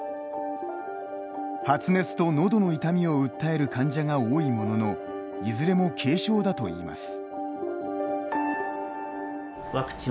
発熱とのどの痛みを訴える患者が多いもののいずれも軽症だといいます。